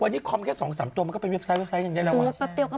วันนี้คอมแค่สองสามตัวมันก็เป็นเว็บไซต์อีกทีแปบเดี๋ยวก็เปิดได้แล้วว่ะ